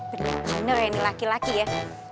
bener bener ini laki laki ya